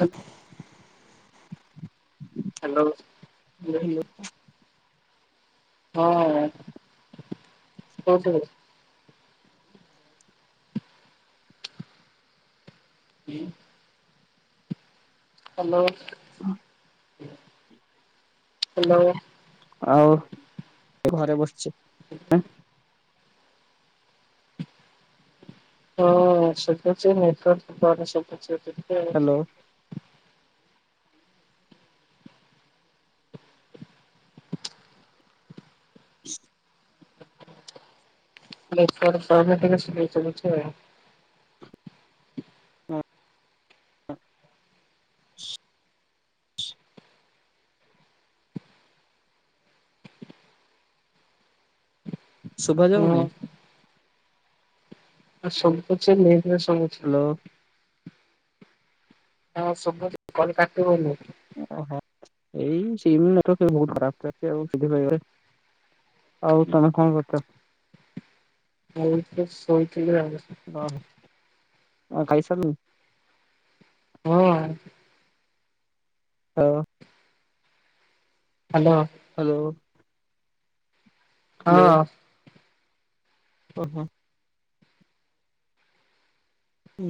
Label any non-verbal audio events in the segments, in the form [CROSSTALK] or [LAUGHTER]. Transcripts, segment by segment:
ହ hello. Hello [UNINTELLIGIBLE] ହଁ କୋଉଠିକି? ହୁଁ। ହାଲୋ ଅ ହାଲୋ। ଆଉ ଘରେ ବସଚି। ହଁ ସେଟା ସେ ନେଟୱାର୍କ ପରେ ଶୁଭୁଚି ଟିକେ। ହ୍ୟାଲୋ ନେଟୱାର୍କ ପାଉନି ଟିକେ ସ୍ଳୋ ଚାଲୁଛି ଆଉ। ଶୁଭା ଯାଉନି? ହଁ ଆ ଶୁବୁଚି ନେଟ ଆସୁନି। ହାଲୋ। ଆ ହଁ ଶୁଭୁଚି କଲ କାଟି ହୋଉନି। ଓହୋ ଏଇ ସିମି [INAUDIBLE] ବୋହୁତ ଖରାପ ଚାଲିଚି ଆଉ ସେଥିପାଇ ଆଉ ତମେ କଣ କରୁଚ? ମୁଇଁ ତ ଶୋଇଥିଲି ଆଉ [UNINTELLIGIBLE] ଓହୋ ଅଉ ଖାଇସାରିଲୁଣି? ହୁଁ। ହୋଉ। ହାଲୋ। ହାଲୋ। ହଁଅଁ। ଓହୋ।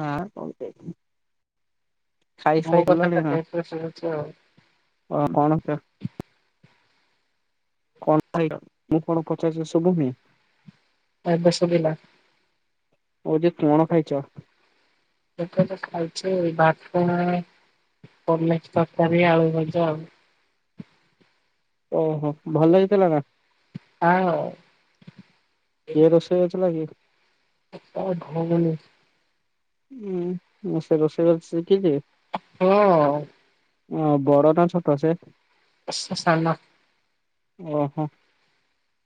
ନା କହିଦେବି। ମୋ କଥାଟା ଡେରିରେ ଶୁଣୁଚି ଆଉ। ଓ କଣ ସେ କଣ ଖାଇଲ ମୁଁ କଣ ପଚାରୁଚି ଶୁଭୁନି? ବାଇ ପାସରେ ଓଲେହିଲା। ମୁଁ କହୁଚି କଣ ଖାଇଚ? ହୋଟେଲରେ ଖାଉଛି ଭାର ପନିର ତରକାରୀ ଆଳୁ ଭଜା ଆଉ। ଓହୋ ଭଲ ହେଇଥିଲାନା। ଆଓ। କିଏ ରୋଷେଇ କରିଥିଲା କିଏ। ତମ ଭଉଣି। ଉୁଁ ସେ ରୋଷେଇ କରି ଶିଖିଛି। ହଁ। ଅଁ ବରଦା ଛକ ସେ। ସେ ସାନ। ଆହ।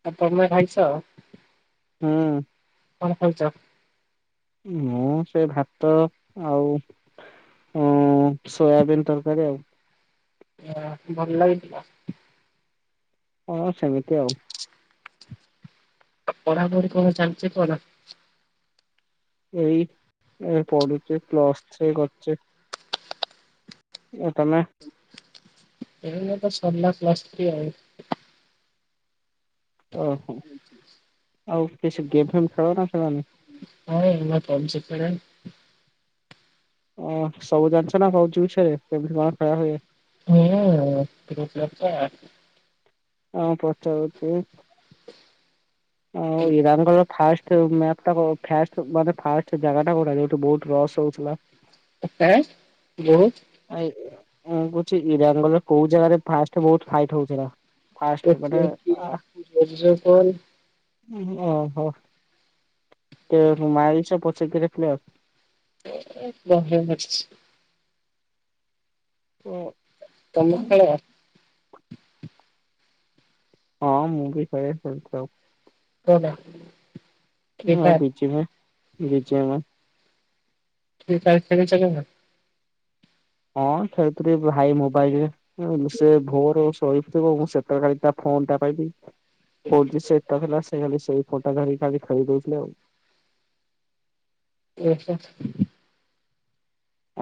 ଆଉ ତମେ ଖାଇଚ? ହୁଁ। କଣ ଖାଇଚ? ମୁଁ ସେଭାତ ଆଉ ଉୁଁ ସୋୟାବିନ ତରକାରୀ ଆଉ ଭଲ ଲାଗିଥିବ। ଅଁ ସେମିତି ଆଉ ପଢାପଢି କଣ ଚାଲିଚି କଣ? ଏଇ ଏଁ ପଢୁଚେ ପ୍ଲସ୍ ଥ୍ରୀ କରୁଚେ। ଆଉ ତମେ। ଏଇ ଜଷ୍ଟ ସରିଲା ପ୍ଲସ ଥ୍ରୀ ଆଉ। ଓହୋ ଆଉ କିଛି ଗେମ ଫେମ ଖେଳନା ଖେଳଣି। ହଁଏ ମୁଁ ପଢୁଛି ପରା। ଅଁ ସବୁ ଜାଣିଛନା କଉଛୁ ମିଛରେ କେମତି କଣ ଖେଳହୁଏ? [UNINTELLIGIBLE] ହଁ ପଚାରନ୍ତୁ। ଆଉ ଉଇରାନଙ୍କର ଫାଷ୍ଟ। ଯୋଉ ମ୍ୟାପଟା ପାଷ୍ଟେ ମାନେ ଫାଷ୍ଟେ ଜାଗାଟା କୋଉଟା ଯୋଉଠି ବହୁତୁ ଲସ ହଉଥିଲା। ଆଁ ବହୁତ। ଆଇଁ ମୁଁ କହୁଛି ଇରାନର କୋଉ ଜାଗାରେ ଫାଷ୍ଟ ବହୁତ ଫାଇଟି ହଉଥିଲା। ପାଷ୍ଟେ ମାନେ ଆଁ। ଭୋଜି ଦେଇ କଲ ଉୁଁ ହୁଁ ଅହୋ [UNINTELLIGIBLE] ଏହେ ଶହେ ପଚିଶି। ଓ ତମେ ଖାଇଦବା। ହଁ ମୁଁବି କରେ ସେମିତି ଥାଉ। କଣଟା? ନୂଆ ବିଞ୍ଚଣା ବିଞ୍ଚଣା। ଇଏ ଚାଲି ଚାଲି ଚାଲିଗଲା। ହଁ ଖେଳୁଥିଲି ଭାଇ ମୋବାଇଲରେ। ଆଉ ସେ ଭୋର ସୋଇଥିବ ମୁଁ ସେତେବେଳେ ଖାଲି ତା ଫୋନଟା ପାଇବି। ହଉଛି ସେଟା ହେଲା ସେ ଖାଲି ସେଇ ପଟା ଧରିକି ଖାଲି ଖେଳେଇ ଦେଉଥିଲେ ଆଉ। ଓହୋ।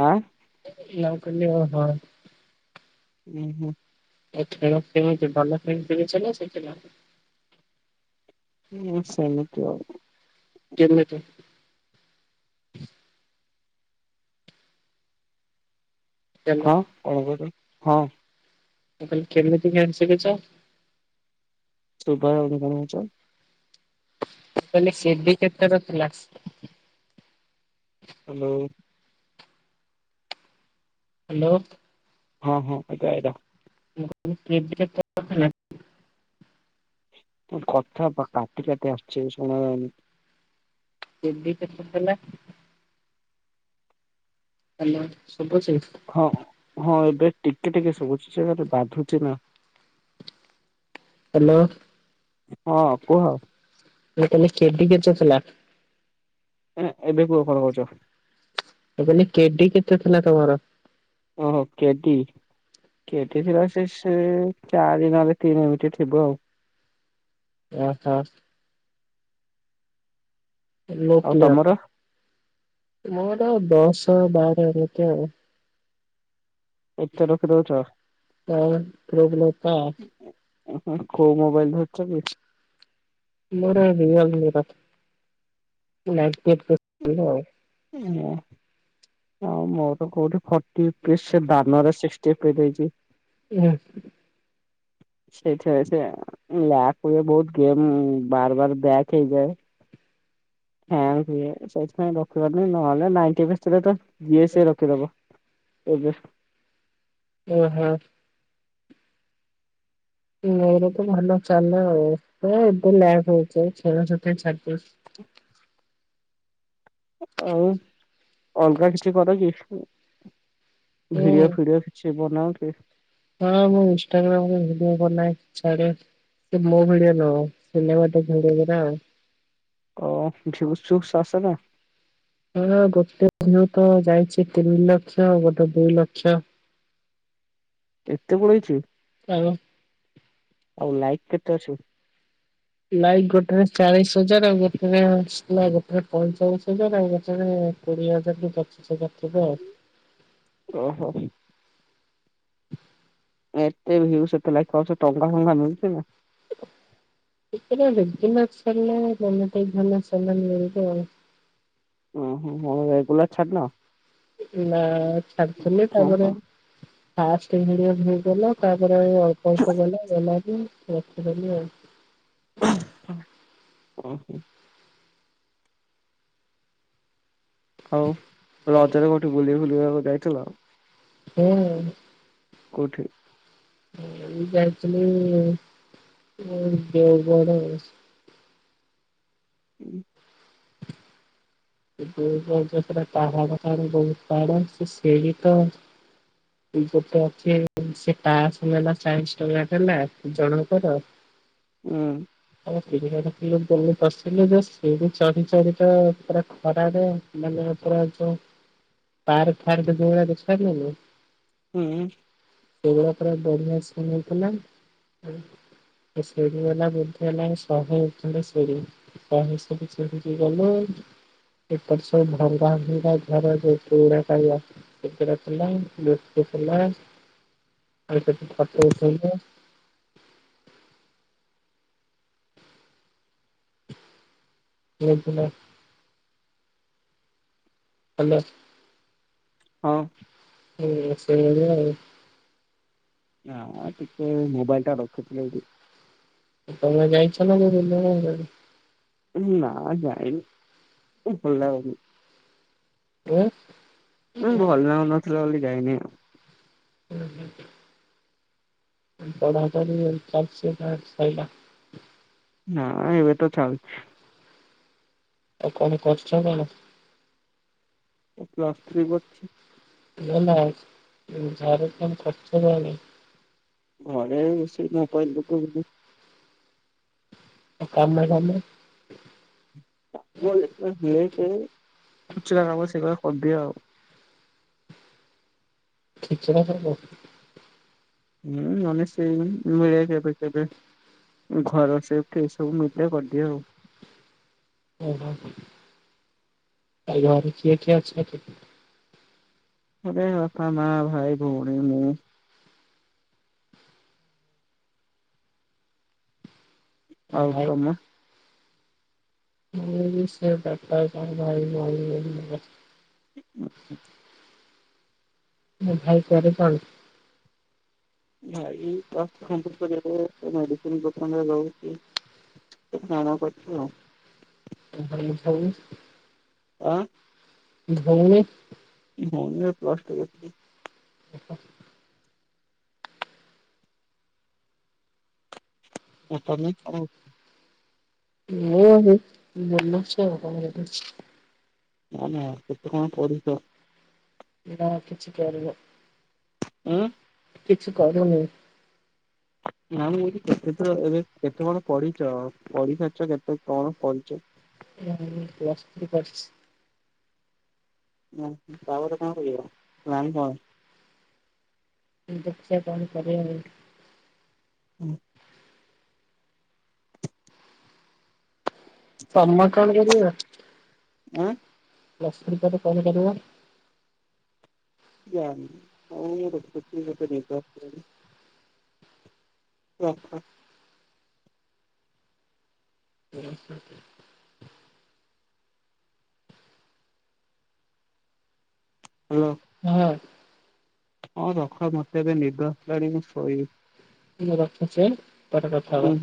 ଆଁ? ନା କନ୍ୟା ହଁ। ହୁଁ ହୁଁ। ଏ ଖେଳ କେମିତି ଭଲ ପ୍ରିଣ୍ଟ ସିଖିଚ ନାଁ ସେକେଣ୍ଡ ହ୍ୟାଣ୍ଡ? ହଁ ସେମିତି ଆଉ। କେମିତି? ଖେଳ ହଁ [UNINTELLIGIBLE] ହଁ। ମୁଁ କହିଲି କେମିତିକା ଆଣି ସିକିଚ? ଶୁଭା ଯାଉନି କଣ କହୁଚ? କହିଲି ସିବି କେତେ ରଖିଲ। ହାଲୋ। ହାଲୋ। ହଁ ହଁ ଏଟା ଏଇଟା। ହୁଁ ହୁଁ କେଜି କେତେ? [UNINTELLIGIBLE] କଥା ବା କାଟି କାଟି ଆସୁଚି ଶୁଣାଯାଉନି। କେବି କେତେ ଥେଲା। ହାଲୋ ଶୁବୁଚି। ହଁ ହଁ ଏବେ ଟିକେ ଟିକେ ସୁବୁଚି ସେଇଆପା ବାଧୁଚି ନା। [INAUDIBLE] ହାଲୋ ହଁ କୁହ [UNINTELLIGIBLE] କେଡ଼ି କେତେଥିଲା। ଏ ଏବେ କୁହ କଣ କହୁଛ? ମୁଁ କହିଲେ କେଡି କେତେ ଥିଲା ତମର? ଓହୋ କେଟି କେଟି ଥିଲା ସେ ହୁଁ ଚାରି ନହେଲେ ତିନି ଏମିତି ଥିବ ଆଉ। ଏ ଆଛା। ଆଉ [UNINTELLIGIBLE] ତମର ମୋର ଦଶ ବାର ଏମିତି ଆଉ। ଏତେ ରଖିଦଉଛ ଆଉ [UNINTELLIGIBLE] କୋଉ ମୋବାଇଲ ଧରିଚ କି? ମୋର ରିଅଲମି ର [UNINTELLIGIBLE] ଆଉ ମୋର କୋଉଠିଟି ଫୋଟି [UNINTELLIGIBLE] ଚିପି ଦେଇଚି। ହୁଁ। [UNINTELLIGIBLE] ଲ ପରେ ବହୁତ ଗେମ ବାର ବାର ବ୍ୟାକ ହେଇଯାଏ। ହ୍ୟାଙ୍ଗ ହୁଏ ସେଇଥିପାଇଁ ରଖିବାରୁନି ନହେଲେ ନାଇଣ୍ଟି [UNINTELLIGIBLE] ଯିଏ ସିଏ ରଖିଦବ ଏବେ। ଓହୋ। ମୋର ତ ଭଲ ଚାଲ ଆଉ ନାଁ ଏବେ ଲ୍ୟାକ ହଉଚି ଛେରା ଛେତେ [UNINTELLIGIBLE] ଆଉ ଅଲଗା କିଛି କର କି? ହଁ ଭିଡିଓ ଫିଡିଓ କିଛି ବନାଅ କି? ହଁ ମୁଁ ଇନଷ୍ଟାଗ୍ରାମରେ ଭିଡିଓ ବନାଏ ଛାଡ଼େ। ସେ ମୋ ଭିଡିଓ ନୁହଁ ସିନେମାଟା ଭିଡିଓ ଗୁରା ଆଉ। ଓହୋ ଜୁକ୍ସ ସୁକ୍ସ ଆସେ ନା। ହଁ ଗୋଟେ ଥର ତ ଯାଇଛି ତିନି ଲକ୍ଷ ଗୋଟେ ଦୁଇ ଲକ୍ଷ। ଏତେ ପଳେଇଛି? ହଁ। ଆଉ ଲାଇକ୍ କେତେ ଅଛି? ଲାଇକ୍ ଗୋଟେରେ ଚାଳିଶ ହଜାର ଆଉ ଗୋଟେରେ ସ ଗୋଟେରେ ପଇଁଚାଳିଶ ହଜାର ଆଉ ଗୋଟେରେ କୋଡିଏ ହଜାର କି ପଚିଶ ହଜାର ଥିବ ଆଉ। ଓହୋ। ଏତେ ଭିୟୁ ସେତେ ଲାଇକ୍ ପାଉଛ ସେ ଟଙ୍କା ଫଙ୍କା ମିଳୁଛି ନା? ଦଦନାସଲେ ମନ ଟେ ଧାନ ଚନ ମି ଓ ହୋ ହ ରେଗୁଲାର ଛାଡ଼ିଲ। ନା ଛାଡିଥିଲି ହଁ ତାପରେ ହଁ ଫାଷ୍ଟ ହେଇଗଲା। ତାପରେ ଆଉ ଅଳ୍ପ ଅଳ୍ପ ଗଲା ଗଲା ରୁ ରଖଦେଲି ଆଉ। ହଁ ଓଁ ହୋ [UNINTELLIGIBLE] ଆଉ ରଜରେ କୋଉଠି ବୁଲି ବୁଲିବାକୁ ଯାଇଥିଲ? ହୁଁ। କୋଉଠି? ଏଇ ଯାଇଥିଲି ଦେଓଗଡ ଆଉ। ହୁଁ। ସେଟା ପାହା କ ବହୁତ ବାଡ ସେ ବି ତ [UNINTELLIGIBLE] ଗୋଟେ ଅଛି ସେ ତାସ ନେଲା ଚାଳିଶ ଟଙ୍କା ଦେଲା ଜଣଙ୍କର। [INAUDIBLE] ଉଁ। ଆ ସେ ବସି ଯେ ସେଇ ଚଢି ଚାରିଟା [UNINTELLIGIBLE] ଖରାରେ ମାନେ ପୁରା ଯୋଉ। ପାର୍ ଫାର୍ଦ ଜୋଡ଼ ତ ଖରିଲ [UNINTELLIGIBLE] ହୁଁ। ସେଗୁଡା ପରା ବଢିଆ ଶୁଣେଇଥିଲା। ସେ ସିଡ଼ି ହେଲା ବୋଧେ ହେଲାଣି ଶହେ ଖଣ୍ଡେ ସିଡ଼ି। ଶହେ ସିଡ଼ି ଚଢ଼ିକି ଗଲୁ। ସେପଟେ ସବୁ ଭଙ୍ଗା ଭଙ୍ଗା ଘର ଯୋଉ ପୁରୁଣାକାଳିଆ। ଥିଲାଥିଲା ଆଠ [UNINTELLIGIBLE] ବଥିଲା [UNINTELLIGIBLE] ହାଲୋ। ହଁ। ହୁଁ ସେଇ ଭଳିଆ ଆଉ। ନାଁ ଟିକେ ଏଇ ମୋବାଇଲଟା ରଖିଥିଲ କି? ତମେ ଯାଇଛ ନା [UNINTELLIGIBLE] ନା ଯାଇନି, ଭଲ ଲାଗୁନି। ଉଁ ଭଲ ଲାଗୁନଥିଲା ବୋଲି ଯାଇନି ଆଉ। ହୁଁ ହୁଁ। ପଢ଼ା ପଢି ଚାଲିଛି ନା ସରିଲା? ନାଁ ଏବେ ତ ଚାଲୁଛି। ଆଉ କଣ କରୁଛ କଣ? ମୁଁ ପ୍ଲସ୍ ଥ୍ରୀ କରୁଛି। ଭଲ [UNINTELLIGIBLE] କରୁଛ ତା ହେଲେ। ଘରେ ସେଇ ମୋବାଇଲ ଦେଖୁଥିଲି। ଆଉ କାମ କାମ? କାମ ଦେଖିବା ଲେଟରେ ଖୁଚୁରା କାମ ସେରା କରିଦିଏ ଆଉ। ଖୁଚୁରା କାମ? ହୁଁ ନ ହେଲେ ସେଇ କେବେ କେବେ ଘର ସେଫ ଏ ସବୁ [UNINTELLIGIBLE] କରିଦିଏ ଆଉ। ଓ ହୋ ଘରେ କିଏ କିଏ ଅଛନ୍ତି? ଘରେ ବାପା ମା ଭାଇ ଭଉଣୀ ମୁଁ। ଆଉ ତମ [UNINTELLIGIBLE] ଭାଇ ଭଉଣୀ ହ୍ [UNINTELLIGIBLE] ଭାଇ କରେ କଣ? ଭାଇ [UNINTELLIGIBLE] ମେଡିସିନ ଦୋକାନରେ ରହୁଛି। [UNINTELLIGIBLE] କରୁଛି ଆଉ। ଆଉ [UNINTELLIGIBLE] ଆ ଭଉଣୀ? ଭଉଣୀ ର ପ୍ଲସ୍ ଟୁ [UNINTELLIGIBLE] ଓ। [UNINTELLIGIBLE] [UNINTELLIGIBLE] ନା ନା କେତେ କଣ ପଢିଛ? ନା କିିଛି [UNINTELLIGIBLE] ଉଁ? କିଛି କରୁନି। ନା ମୁଁ କେତେ ତ ଏବେ କେତେ କଣ ପଢିଛ ପଢିସାରିଛ କେତେ କଣ ପଢିଛ? ମୁଁ ପ୍ଲସ୍ ଥ୍ରୀ କରିଛି। ହଁ ତାପରେ କଣ କରିବ ପ୍ଲାନ୍ କଣ? ଦେଖିଆ କଣ କରିବା ଆଉ। ହୁଁ। ତମେ କଣ କରିବ? ଉଁ? ପ୍ଲସ୍ ଥ୍ରୀ ପରେ କଣ କରିବ? [UNINTELLIGIBLE] ହ ହଁ। [UNINTELLIGIBLE] ହ୍ୟାଲୋ। ହଁ। ହଁ ରଖ ମତେ ଏବେ ନିଦ ଆସିଲାଣି ମୁଁ ଶୋଇବି। ଟିକେ ରଖୁଛି ପରେ କଥା ହୁଁ ହବା। ହୁଁ।